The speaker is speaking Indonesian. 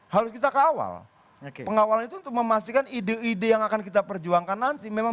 harus kita kawal pengawalan itu untuk memastikan ide ide yang akan kita perjuangkan nanti memang